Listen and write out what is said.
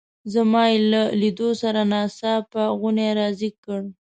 زما یې له لیدو سره ناڅاپه غونی را زېږ کړ.